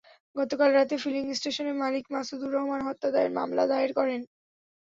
গতকাল রাতে ফিলিং স্টেশনের মালিক মাসুদুর রহমান হত্যা মামলা দায়ের করেন।